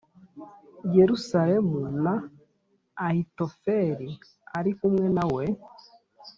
Yerusalemu na Ahitofeli ari kumwe na we